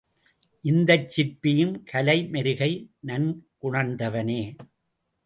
இந்தச் சிற்பியும் கலை மெருகை நன்குணர்ந்தவனே.